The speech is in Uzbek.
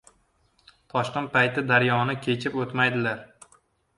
• Toshqin payti daryoni kechib o‘tmaydilar.